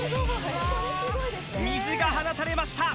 水が放たれました